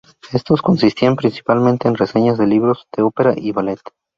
Estos consistían principalmente en reseñas de libros, de ópera y ballet.